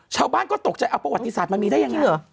ชาวบ้านก็ตกใจเอาประวัติศาสตร์มันมีได้ยังไงเหรอ